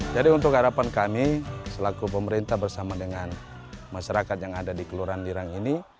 jadi untuk harapan kami selaku pemerintah bersama dengan masyarakat yang ada di kelurahan lirang ini